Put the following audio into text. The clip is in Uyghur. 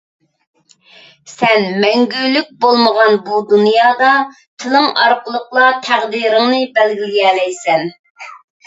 سەن مەڭگۈلۈك بولمىغان بۇ دۇنيادا تىلىڭ ئارقىلىقلا تەقدىرىڭنى بەلگىلىيەلەيسەن.